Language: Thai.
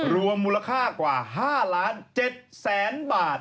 รวมมูลค่ากว่า๕ล้าน๗แสนบาท